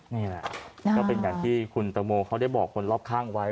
นี่แหละก็เป็นอย่างที่คุณตังโมเขาได้บอกคนรอบข้างไว้